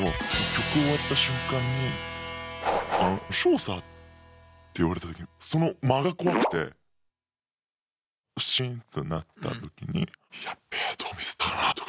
曲終わった瞬間に「あのショウさ」って言われた時にその間がこわくてシーンとなった時に「やっべえどこミスったかな」とか。